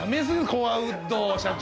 コアウッドを社長。